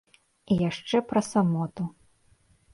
І яшчэ пра самоту.